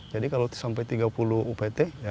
jadi kalau sampai tiga puluh upt